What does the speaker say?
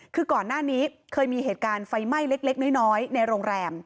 คือก่อนหน้านี้เคยมีเหตุการณ์ไฟไหม้เล็กน้อยในโรงแรม